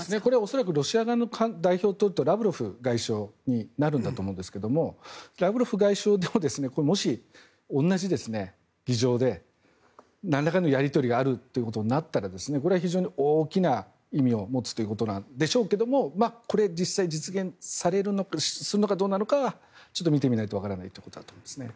恐らくロシア側の代表はラブロフ外相になるんだと思うんですがラブロフ外相でももし同じ議場でなんらかのやり取りがあるということになったらこれは非常に大きな意味を持つということでしょうがこれ、実際実現するのかどうなのかはちょっと見てみないとわからないということだと思います。